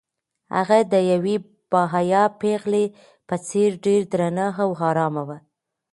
هغه د یوې باحیا پېغلې په څېر ډېره درنه او ارامه وه.